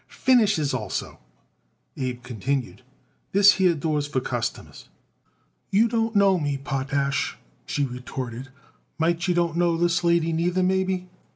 "Finishers, also," Abe continued. "This here door is for customers." "You don't know me, Potash," she retorted. "Might you don't know this lady neither, maybe?"